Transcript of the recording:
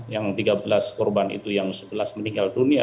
yang tiga belas korban itu yang sebelas meninggal dunia